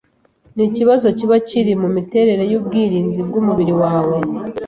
ni ikibazo kiba kiri mu miterere y’ubwirinzi bw’umubiri wawe